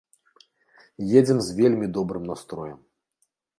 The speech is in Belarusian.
Едзем з вельмі добрым настроем.